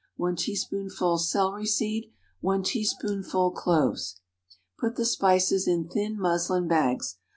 1 teaspoonful celery seed. 1 teaspoonful cloves. Put the spices in thin muslin bags.